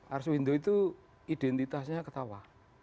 ars wendel itu identitasnya ketawa